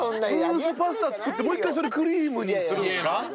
ムースパスタ作ってもう一回それクリームにするんですか？